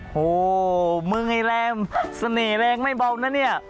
โหมึงไอ้แรมเสน่ห์แรงไม่เบานะเนี่ย